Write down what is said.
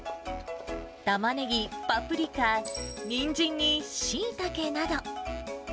たまねぎ、パプリカ、にんじんにしいたけなど。